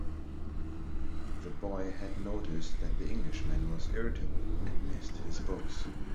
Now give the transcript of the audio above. The boy had noticed that the Englishman was irritable, and missed his books.